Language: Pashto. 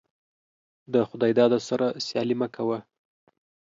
دخداى داده سره سيالي مه کوه.